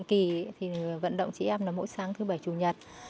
kỳ thì vận động chị em là mỗi sáng thứ bảy chủ nhật